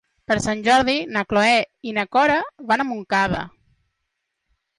Per Sant Jordi na Cloè i na Cora van a Montcada.